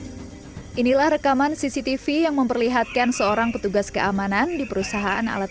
hai inilah rekaman cctv yang memperlihatkan seorang petugas keamanan di perusahaan alat